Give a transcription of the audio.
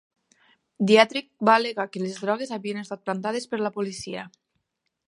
Dietrich va al·legar que les drogues havien estat plantades per la policia.